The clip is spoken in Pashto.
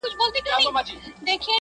د دوبي ټکنده غرمې د ژمي سوړ سهار مي,